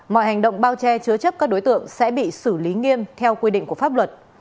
mọi hành động bao che chứa chấp các đối tượng sẽ bị xử lý nghiêm theo quy định của pháp luật